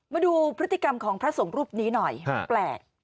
มาดูพฤติกรรมของพระสงฆ์รูปนี้หน่อยแปลก